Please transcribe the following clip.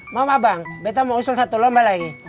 mau gak bang beto mau usul satu lomba lagi